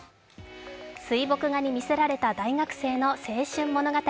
水墨画にみせられた大学生の青春物語。